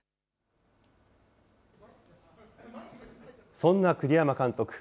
そんな栗山監督。